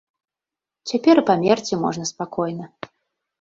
Цяпер і памерці можна спакойна.